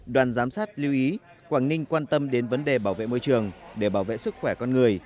đoàn giám sát lưu ý quảng ninh quan tâm đến vấn đề bảo vệ môi trường để bảo vệ sức khỏe con người